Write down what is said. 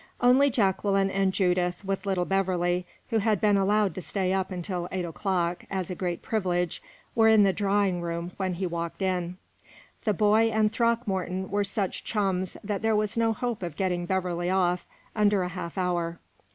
Only Jacqueline and Judith, with little Beverley, who had been allowed to stay up until eight o'clock, as a great privilege, were in the drawing room when he walked in. The boy and Throckmorton were such chums that there was no hope of getting Beverley off under a half hour.